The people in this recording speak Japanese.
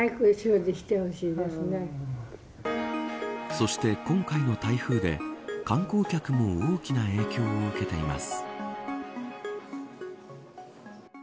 そして今回の台風で観光客も大きな影響を受けています。